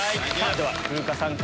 では風花さんか？